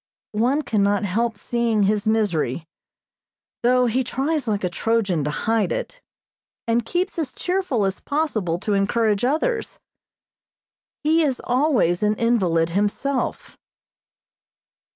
One cannot help seeing his misery, though he tries like a Trojan to hide it, and keeps as cheerful as possible to encourage others. He is always an invalid himself.